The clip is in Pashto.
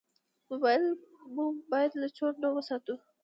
موبایل مو باید له چور نه وساتو.